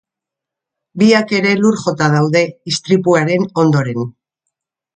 Biak ere lur jota daude istripuaren ondoren.